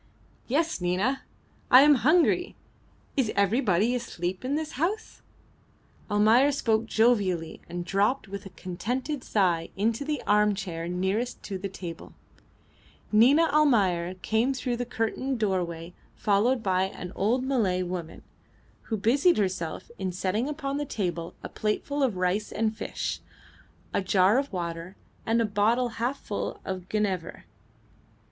"Yes, Nina. I am hungry. Is everybody asleep in this house?" Almayer spoke jovially and dropped with a contented sigh into the armchair nearest to the table. Nina Almayer came through the curtained doorway followed by an old Malay woman, who busied herself in setting upon the table a plateful of rice and fish, a jar of water, and a bottle half full of genever.